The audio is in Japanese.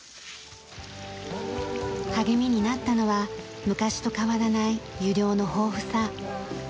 励みになったのは昔と変わらない湯量の豊富さ。